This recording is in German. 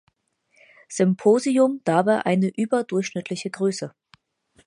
Symposium dabei eine überdurchschnittliche Größe.